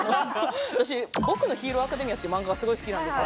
私「僕のヒーローアカデミア」っていう漫画がすごい好きなんです。